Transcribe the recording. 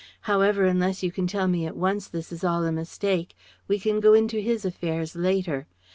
However, unless you can tell me at once this is all a mistake, we can go into his affairs later.